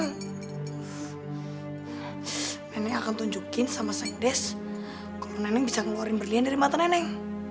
nenek akan tunjukin sama seng des kalau nenek bisa ngeluarin berlian dari mata nenek